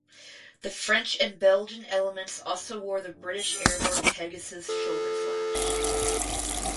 The French and Belgian elements also wore the British airborne Pegasus shoulder flash.